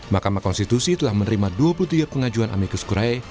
mahkamah konstitusi telah menerima dua puluh tiga pengajuan amikus kuraye